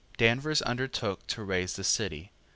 Danvers undertook to raise the City.